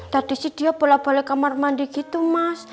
tadi dia bolak bolak kamar mandi gitu mas